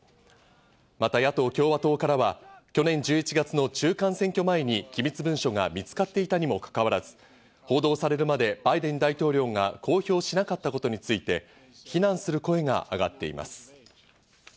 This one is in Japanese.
また野党・共和党からは去年１１月の中間選挙前に機密文書が見つかっていたにもかかわらず、報道されるまでバイデン大統領が公表しなかったことについて、非難する声が上がっています。